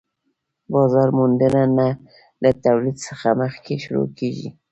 بازار موندنه له تولید څخه مخکې شروع کيږي